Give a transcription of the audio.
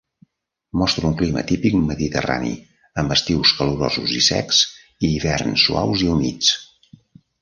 Mostra un clima típic mediterrani amb estius calorosos i secs, i hiverns suaus i humits.